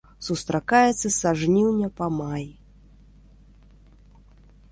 Сустракаецца са жніўня па май.